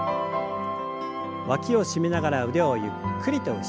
わきを締めながら腕をゆっくりと後ろに。